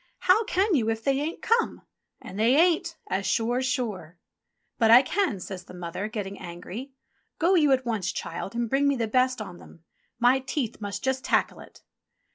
"How can you if they ain't come ? And they ain't, as sure's sure." "But I can," says the mother, getting angry. "Go you at once, child, and bring me the best on them. My teeth must just tackle it."